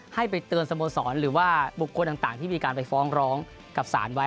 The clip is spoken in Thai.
ให้ไปเตือนสโมสรหรือว่าบุคคลต่างที่มีการไปฟ้องร้องกับศาลไว้